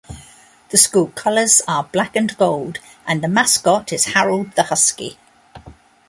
The school colors are black and gold and the mascot is Harold the husky.